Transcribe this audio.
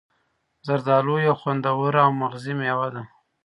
زردآلو یو خوندور او مغذي میوه ده.